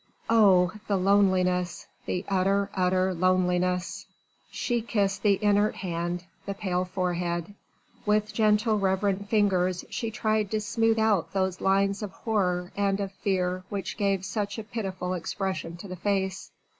Oh! the loneliness! the utter, utter loneliness! She kissed the inert hand, the pale forehead: with gentle, reverent fingers she tried to smooth out those lines of horror and of fear which gave such a pitiful expression to the face.